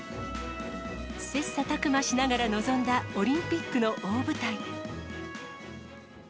切さたく磨しながら臨んだオリンピックの大舞台。